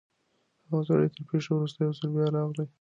هغه سړی تر پېښي وروسته یو ځل بیا راغلی.